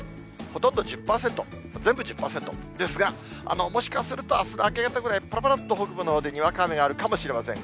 ほとんど１０％、全部１０％、ですが、もしかするとあすの明け方ぐらい、ぱらぱらっと北部のほうでにわか雨があるかもしれません。